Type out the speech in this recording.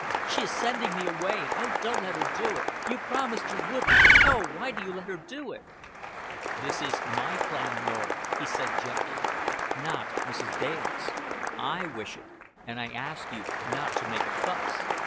"She is sending me away. Oh, don't let her do it. You promised you wouldn't. Oh, why do you let her do it?" "This is my plan, Norah," he said gently; "not Mrs. Dale's. I wish it and I ask you not to make a fuss."